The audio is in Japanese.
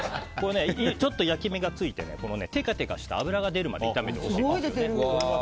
ちょっと焼き目がついててかてかした脂が出るまで炒めてください。